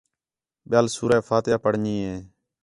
ٻِیال سورۃ فاتحہ پڑھݨی ہے